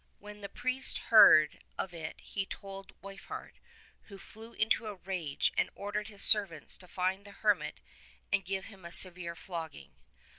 When the priest heard of it he told Weifhardt, who flew into a rage and ordered his servants to find the hermit and give him a severe flogging.